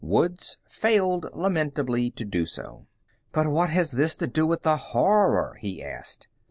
Woods failed lamentably to do so. "But what has this to do with the Horror?" he asked.